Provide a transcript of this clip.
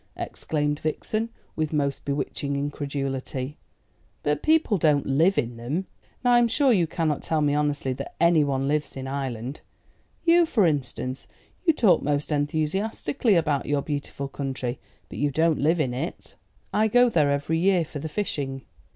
exclaimed Vixen, with most bewitching incredulity; "but people don't live in them? Now I'm sure you cannot tell me honestly that anyone lives in Ireland. You, for instance, you talk most enthusiastically about your beautiful country, but you don't live in it." "I go there every year for the fishing."